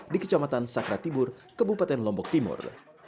di kecamatan sakratibur kebupaten lombok timur